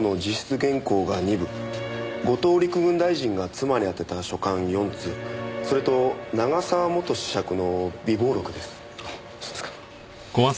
原稿が２部後藤陸軍大臣が妻に宛てた書簡４通それと永沢元子爵の備忘録です。